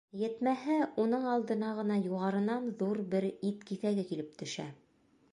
Етмәһә, уның алдына ғына юғарынан ҙур бер ит киҫәге килеп төшә.